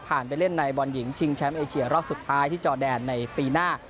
ไปเล่นในบอลหญิงชิงแชมป์เอเชียรอบสุดท้ายที่จอแดนในปีหน้า